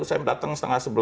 saya datang setengah sebelas